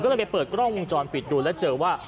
ก็เลยไปเปิดกล้องวงจรปิดดูแล้วเจอว่า